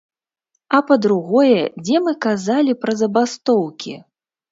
А па-другое, дзе мы казалі пра забастоўкі?